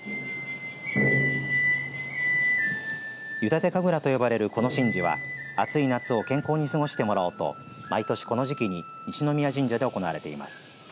湯立神楽と呼ばれるこの神事は暑い夏を健康に過ごしてもらおうと毎年、この時期に西宮神社で行われています。